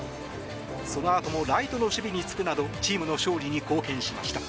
そのあともライトの守備に就くなどチームの勝利に貢献しました。